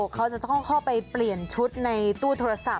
เขาจะต้องเข้าไปเปลี่ยนชุดในตู้โทรศัพท์